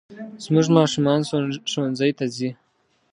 زموږ ماشومان ښوونځي ته ځي